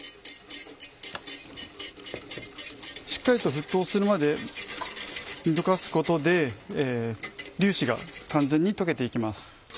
しっかりと沸騰するまで煮溶かすことで粒子が完全に溶けて行きます。